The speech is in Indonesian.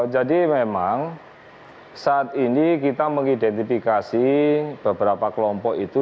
jadi memang saat ini kita mengidentifikasi beberapa kelompok itu